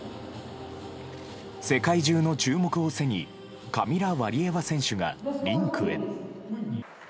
世界中の注目を背にカミラ・ワリエワ選手がリンクへ。